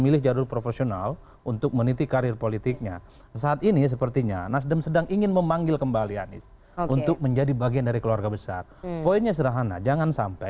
lalu transparansi anggaran yang